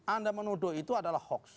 anda menuduh itu adalah hoax